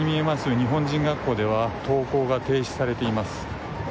日本人学校では登校が停止されています。